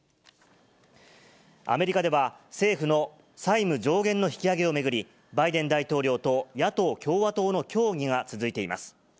アメリカでは、政府の債務上限の引き上げを巡り、バイデン大統領と野党・共和党の協議が続いています。